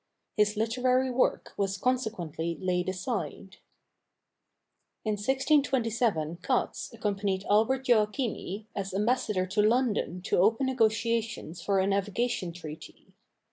His literary work was consequently laid aside. In 1627 Cats accompanied Albert Joachimi as ambassador to London to open negotiations for a navigation treaty.